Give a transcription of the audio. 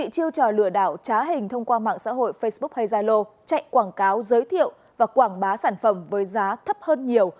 chiêu trò lừa đảo trá hình thông qua mạng xã hội facebook hay zalo chạy quảng cáo giới thiệu và quảng bá sản phẩm với giá thấp hơn nhiều